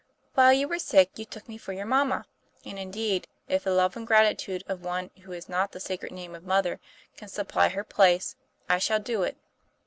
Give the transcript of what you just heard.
'While you were sick, you took me for your mamma; and, indeed, if the love and gratitude of one who has not the sacred name of mother can supply her place, I shall do it.